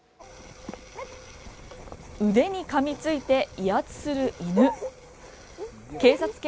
腕にかみついて威圧する犬。